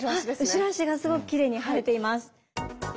後ろ足がすごくきれいに入っています。